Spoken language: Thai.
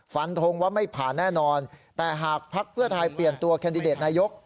ฟันทงว่าไม่ผ่านแน่นอนแต่หากภักดิ์เพื่อไทยเปลี่ยนตัวแคนดิเดตนายก